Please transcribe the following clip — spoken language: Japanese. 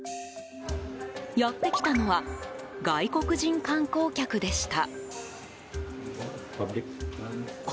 やってきたのは外国人観光客でした。